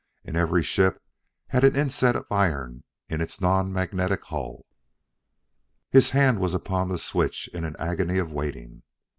And every ship had an inset of iron in its non magnetic hull. His hand was upon the switch in an agony of waiting.